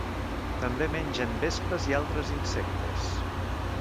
També mengen vespes i altres insectes.